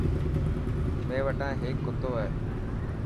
مين وٽا هيڪ ڪتو هي.